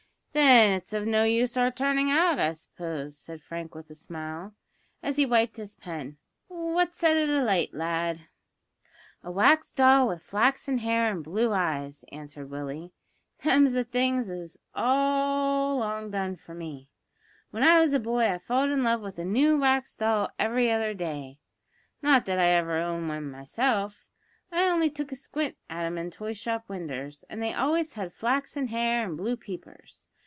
"Then it's of no use our turning out, I suppose?" said Frank with a smile, as he wiped his pen; "what set it alight, lad?" "A wax doll with flaxen hair and blue eyes," answered Willie; "them's the things as has all along done for me. When I was a boy I falled in love with a noo wax doll every other day. Not that I ever owned one myself; I only took a squint at 'em in toy shop winders, and they always had flaxen hair and blue peepers.